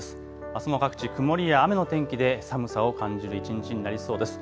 あすも各地、曇りや雨の天気で寒さを感じる一日になりそうです。